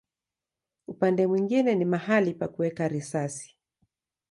Upande mwingine ni mahali pa kuweka risasi.